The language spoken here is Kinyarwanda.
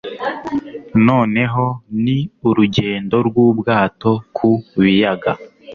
Noneho ni urugendo rwubwato ku biyaga